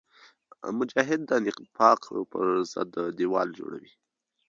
مجاهد د نفاق پر ضد دیوال جوړوي.